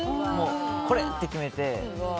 これって決めて。